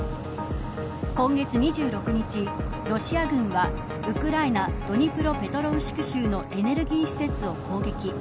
今月２６日ロシア軍はウクライナドニプロペトロウスク州のエネルギー施設を攻撃。